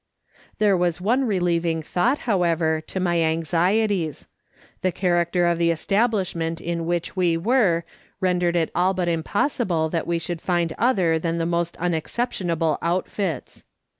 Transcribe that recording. There was one relieving thought, however, to my anxieties. The character of the establishment in which we were rendered it all but impossible that we should find other than the most unexceptionable outfits.